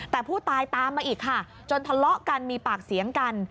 แต่ผู้ตายตามมาอีกค่ะจนทะเลาะกันมีปากเสียงกัน